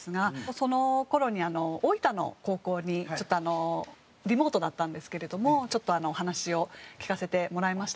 その頃に大分の高校にちょっとあのリモートだったんですけれどもちょっとお話を聞かせてもらいましたので。